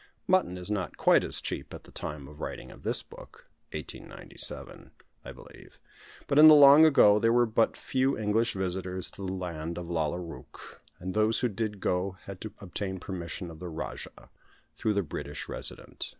Mutton is not quite as cheap at the time of writing this book (1897), I believe; but in the long ago there were but few English visitors to the land of Lalla Rookh, and those who did go had to obtain permission of the Rajah, through the British Resident.